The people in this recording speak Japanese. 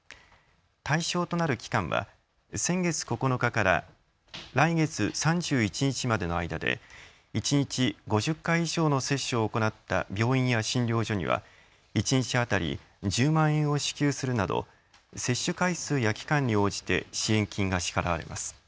対象となる期間は先月９日から来月３１日までの間で一日５０回以上の接種を行った病院や診療所には一日当たり１０万円を支給するなど接種回数や期間に応じて支援金が支払われます。